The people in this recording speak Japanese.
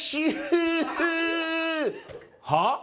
はあ？